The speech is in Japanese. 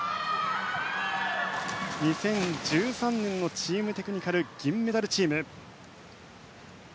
２０１３年のチームテクニカル銀メダルチーム。